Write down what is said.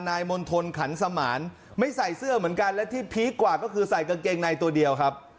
มณฑลขันสมานไม่ใส่เสื้อเหมือนกันและที่พีคกว่าก็คือใส่กางเกงในตัวเดียวครับ